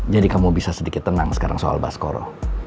jadi kamu bisa sedikit tenang sekarang soal bas koro